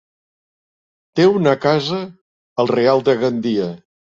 Té una casa al Real de Gandia.